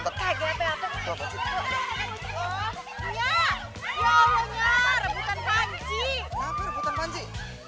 ya allah rebutan panci